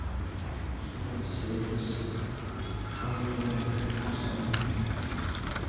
Սուրե՛ն, սիրելի՛ս, ա՛յ, տուն ենք հասնում…